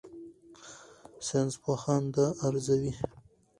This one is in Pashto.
ساینسپوهان دا ارزوي.